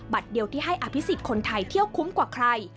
เดียวที่ให้อภิษฎคนไทยเที่ยวคุ้มกว่าใคร